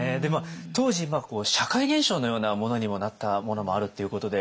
当時社会現象のようなものにもなったものもあるっていうことで。